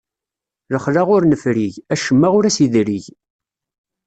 Lexla ur nefrig, acemma ur as-idrig.